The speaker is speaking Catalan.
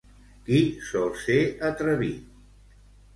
Qui sol ser atrevit?